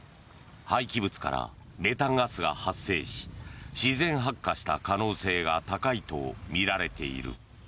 廃棄物からメタンガスが発生し自然発火した可能性が高いとみられている。